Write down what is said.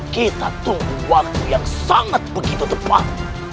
kita tunggu waktu yang sangat begitu tepat